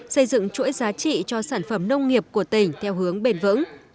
xây dựng chuỗi giá trị cho sản phẩm nông nghiệp của tỉnh theo hướng bền vững